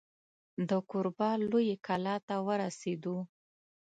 د کوربه لویې کلا ته ورسېدو.